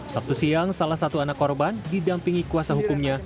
sabtu siang salah satu anak korban didampingi kuasa hukumnya